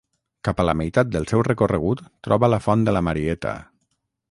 Cap a la meitat del seu recorregut troba la Font de la Marieta.